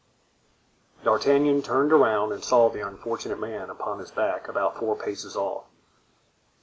D'Artagnan turned around and saw the unfortunate man upon his back about four paces off.